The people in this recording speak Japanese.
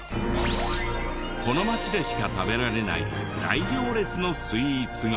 この町でしか食べられない大行列のスイーツが！